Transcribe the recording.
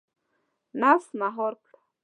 • نفس مهار کړه.